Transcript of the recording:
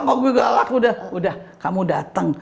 gak boleh galak udah kamu dateng